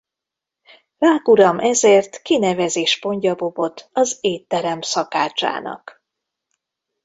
Rák uram ezért kinevezi Spongyabobot az étterem szakácsának.